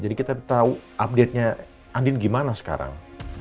jadi kita tahu update nya andien gimana sekarang